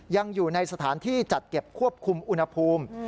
ยังอยู่ในสถานที่จัดเก็บควบคุมอุณหภูมิ